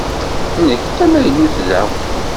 Nekk d tamaynut da.